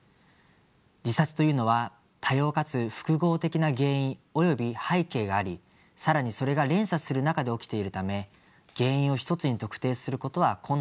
自殺というのは多様かつ複合的な原因および背景があり更にそれが連鎖する中で起きているため原因を一つに特定することは困難です。